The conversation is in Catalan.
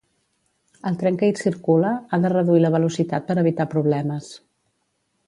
El tren que hi circula ha de reduir la velocitat per evitar problemes.